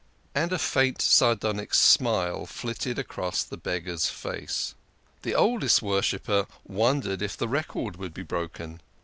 " And a faint sardonic smile flitted across the Beggar's face. The oldest worshipper wondered if the record would be broken.